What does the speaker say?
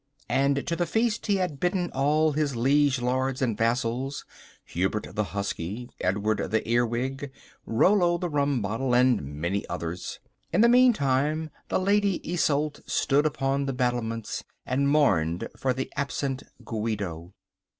And to the feast he had bidden all his liege lords and vassals— Hubert the Husky, Edward the Earwig, Rollo the Rumbottle, and many others. In the meantime the Lady Isolde stood upon the battlements and mourned for the absent Guido.